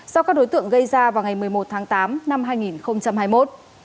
do các đối tượng gây ra vào ngày một mươi một tháng tám năm hai nghìn hai mươi một